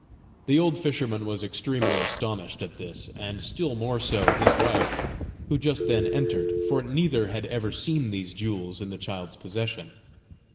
The old fisherman was extremely astonished at this, and still more so his wife, who just then entered, for neither had ever seen these jewels in the child's possession.